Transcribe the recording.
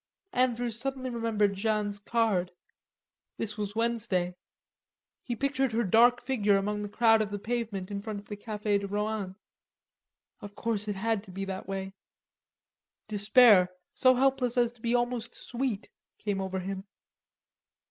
Andrews suddenly remembered Jeanne's card. This was Wednesday. He pictured her dark figure among the crowd of the pavement in front of the Cafe de Rohan. Of course it had to be that way. Despair, so helpless as to be almost sweet, came over him.